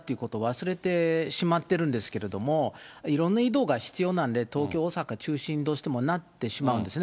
っていうものも必要だということ、いかにも忘れてしまっているんですけれども、いろんな移動が必要なんで、東京、大阪中心にどうしてもなってしまうんですよね。